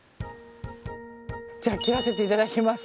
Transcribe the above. じゃあ切らせていただきます。